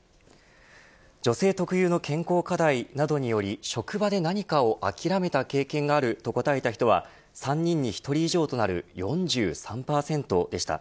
女性特有の健康課題などにより職場で何かを諦めた経験があると答えた人は３人に１人以上となる４３％でした。